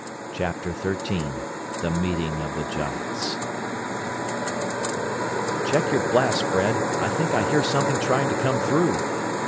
CHAPTER XIII The Meeting of the Giants "Check your blast, Fred, I think I hear something trying to come through!"